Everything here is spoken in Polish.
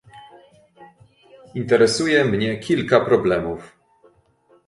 Interesuje mnie kilka problemów